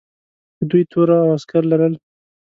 که دوی توره او عسکر لرل.